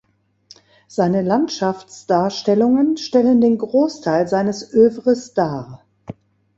Seine Landschaftsdarstellungen stellen den Großteil seines Oeuvres dar.